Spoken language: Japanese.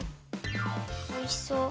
おいしそう。